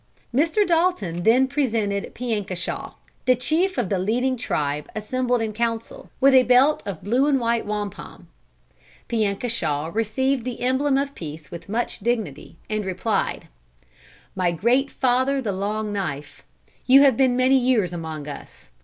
Mr. Dalton then presented Piankashaw, the chief of the leading tribe assembled in council, with a belt of blue and white wampum. Piankashaw received the emblem of peace with much dignity, and replied: "MY GREAT FATHER THE LONG KNIFE, You have been many years among us.